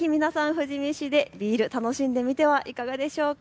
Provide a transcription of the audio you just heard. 富士見市でビール、楽しんでみてはいかがでしょうか。